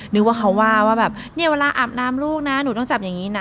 นึกว่าเขาว่าว่าแบบเนี่ยเวลาอาบน้ำลูกนะหนูต้องจับอย่างนี้นะ